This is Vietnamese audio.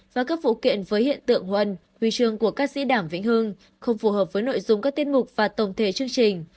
và các vụ kiện với hiện tượng huân huy chương của các sĩ đảm vĩnh hương không phù hợp với nội dung các tiết mục và tổng thể chương trình